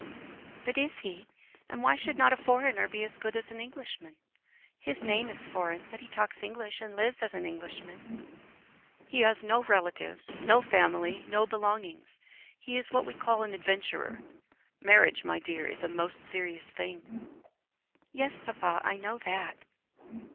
"But is he? And why should not a foreigner be as good as an Englishman? His name is foreign, but he talks English and lives as an Englishman." "He has no relatives, no family, no belongings. He is what we call an adventurer. Marriage, my dear, is a most serious thing." "Yes, papa, I know that."